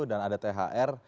dan ada thr